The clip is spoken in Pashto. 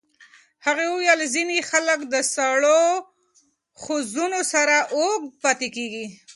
هغې وویل ځینې خلک د سړو حوضونو سره اوږد پاتې کېږي.